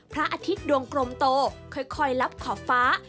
พระอาทิตย์ดวงกลมโตค่อยรับขอบฟ้า